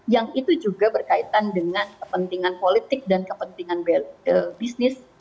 yang itu juga berkaitan dengan kepentingan politik dan kepentingan bisnis